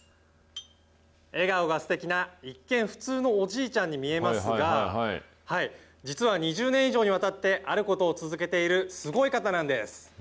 笑顔がすてきな一見普通のおじいちゃんに見えますが、実は２０年以上にわたって、あることを続けているすごい方なんです。